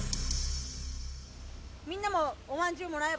みんなも、おまんじゅうもらえば？